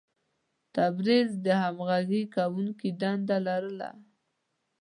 تبریز د همغږي کوونکي دنده لرله.